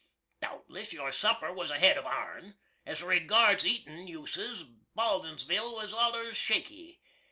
Dowtless, your supper was ahead of our'n. As regards eatin' uses, Baldinsville was allers shaky.